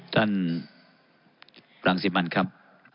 ท่านบรังสิบมันครับ